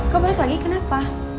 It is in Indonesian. kok balik lagi kenapa